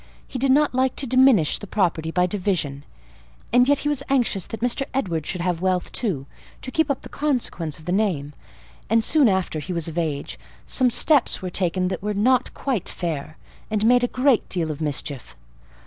He did not like to diminish the property by division, and yet he was anxious that Mr. Edward should have wealth, too, to keep up the consequence of the name; and, soon after he was of age, some steps were taken that were not quite fair, and made a great deal of mischief.